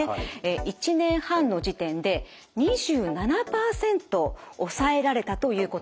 １年半の時点で２７％抑えられたということなんです。